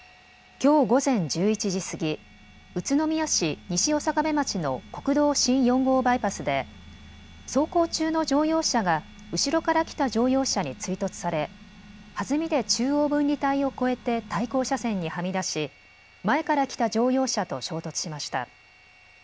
きょう午前１１時過ぎ、宇都宮市西刑部町の国道新４号バイパスで走行中の乗用車が後ろから来た乗用車に追突され弾みで中央分離帯を越えて対向車線にはみ出し前から来た乗用車と衝突しました。